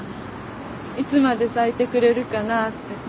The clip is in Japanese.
いつまで咲いてくれるかなあって